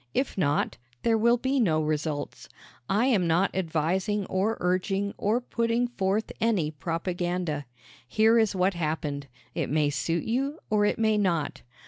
If not there will be no results. I am not advising or urging or putting forth any propaganda. Here is what happened. It may suit you or it may not.